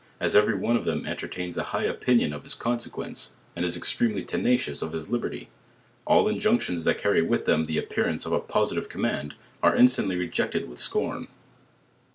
''As every one offlbtn entertains a high opinion of his conse quence, and is extremely tenacious of his liberty, all injunc 58 JOURNAL OF tions that carry with them the appearance of a positive coin mand, are instantly rejected with scorn.